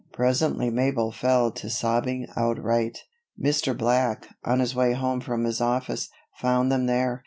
Presently Mabel fell to sobbing outright. Mr. Black, on his way home from his office, found them there.